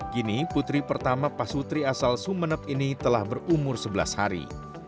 gini putri pertama pak sutri asal sumeneb ini telah berumur sebelas hari